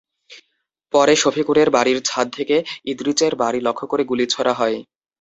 পরে শফিকুরের বাড়ির ছাদ থেকে ইদ্রিচের বাড়ি লক্ষ্য করে গুলি ছোড়া হয়।